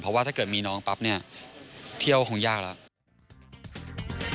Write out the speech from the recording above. เพราะว่าถ้าเกิดมีน้องปั๊บเนี่ยเที่ยวคงยากแล้ว